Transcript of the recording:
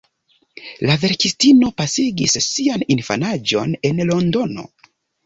La verkistino pasigis sian infanaĝon en Londono.